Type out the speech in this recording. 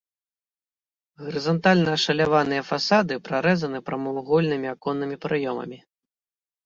Гарызантальна ашаляваныя фасады прарэзаны прамавугольнымі аконнымі праёмамі.